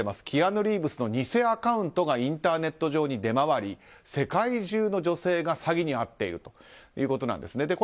キアヌ・リーブスの偽アカウントがインターネット上に出回り世界中の女性が詐欺に遭っているということなんですね。